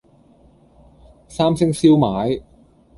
三星燒賣